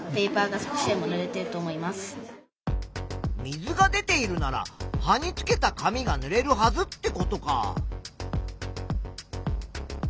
水が出ているなら葉につけた紙がぬれるはずってことか。